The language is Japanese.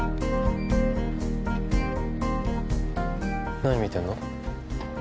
何見てるの？